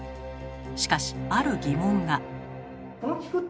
しかしある疑問が。